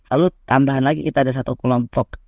lalu tambahan lagi kita ada satu kelompok